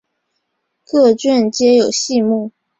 各卷皆有细目。